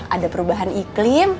ada perubahan iklim